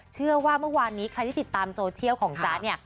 เชื่อว่าเมื่อวานนี้ใครที่ติดตามโซเชียลของจ๊ะเนี่ย